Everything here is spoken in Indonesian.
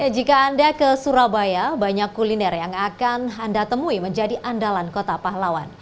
jika anda ke surabaya banyak kuliner yang akan anda temui menjadi andalan kota pahlawan